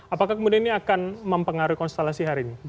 apakah kemudian ini akan mempengaruhi konstelasi hari ini